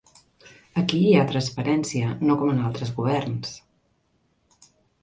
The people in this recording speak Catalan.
Aquí hi ha transparència, no com en altres governs.